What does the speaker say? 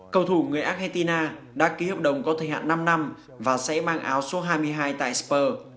cầu thủ người argentina đã ký hợp đồng có thời hạn năm năm và sẽ mang áo số hai mươi hai tại spur